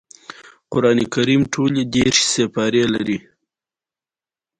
هغوی د یادونه لاندې د راتلونکي خوبونه یوځای هم وویشل.